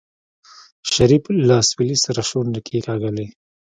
شريف له اسويلي سره شونډې کېکاږلې.